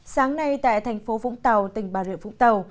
sáng nay tại thành phố vũng tàu tỉnh bà rịa vũng tàu